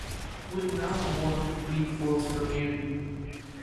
Will now go on to breed foals for Mary.